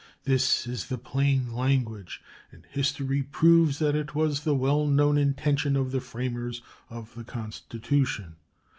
This is the plain language, and history proves that it was the well known intention of the framers, of the Constitution.